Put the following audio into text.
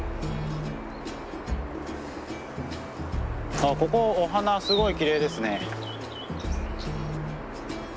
ああここお花すごいきれいですね。